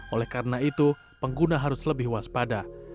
oleh karena itu pengguna harus lebih waspada